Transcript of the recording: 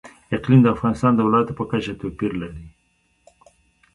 اقلیم د افغانستان د ولایاتو په کچه توپیر لري.